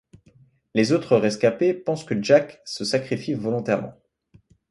Les autres rescapés pensent que Jack se sacrifie volontairement.